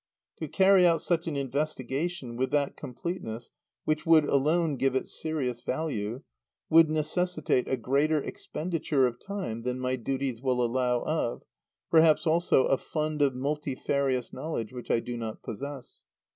To carry out such an investigation with that completeness which would alone give it serious value, would necessitate a greater expenditure of time than my duties will allow of, perhaps also a fund of multifarious knowledge which I do not possess.